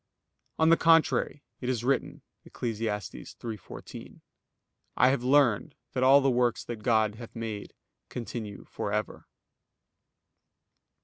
On the contrary, It is written (Eccles. 3:14): "I have learned that all the works that God hath made continue for ever."